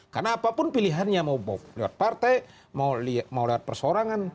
karena apapun pilihannya mau lewat partai mau lewat persorangan